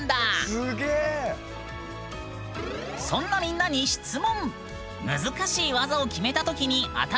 そんなみんなに質問。